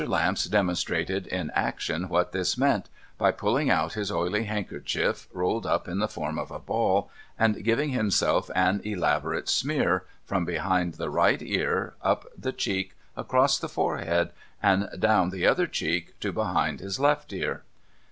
Lamps demonstrated in action what this meant, by pulling out his oily handkerchief rolled up in the form of a ball, and giving himself an elaborate smear, from behind the right ear, up the cheek, across the forehead, and down the other cheek to behind his left ear.